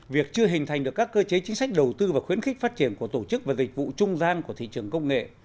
việc chưa hình thành được các cơ chế chính sách đầu tư và khuyến khích phát triển của tổ chức và dịch vụ trung gian của thị trường công nghệ